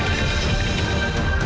penyelamatan penyelamatan perusahaan